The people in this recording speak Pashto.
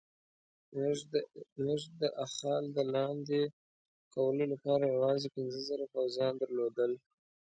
موږ د اخال د لاندې کولو لپاره یوازې پنځه زره پوځیان درلودل.